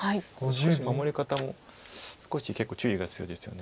しかし守り方も少し結構注意が必要ですよね。